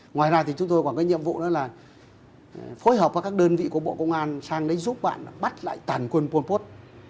ngoài ra chúng tôi có nhiệm vụ là phối hợp các đơn vị của bộ công an sang giúp bạn bắt lại tàn quân bốn bốt